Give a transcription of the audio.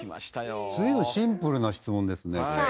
随分シンプルな質問ですねこれ。